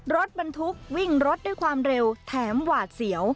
รถบรรทุกวิ่งรถด้วยความเร็วแถมหวาดเสียว